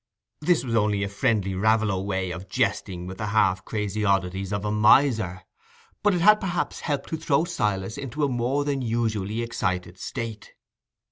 This was only a friendly Raveloe way of jesting with the half crazy oddities of a miser, but it had perhaps helped to throw Silas into a more than usually excited state.